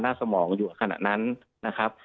สมองอยู่ขณะนั้นนะครับ